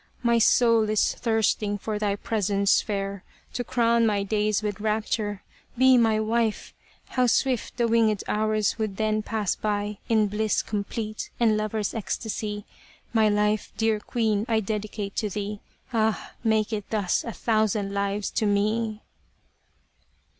My soul is thirsting for thy presence fair To crown my days with rapture be my wife ! How swift the winged hours would then pass by In bliss complete, and lovers' ecstasy : My life, dear queen, I dedicate to thee, Ah ! make it thus a thousand lives to me